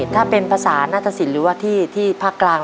ถ้าเป็นภาษาหน้าตะสินหรือว่าที่ภาคกลาง